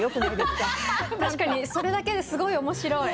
確かにそれだけですごい面白い。